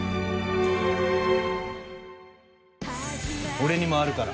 「俺にもあるから。